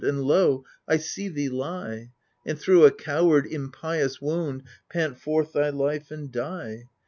And lo 1 I see thee lie. And thro' a coward, impious wound Pant forth thy life and die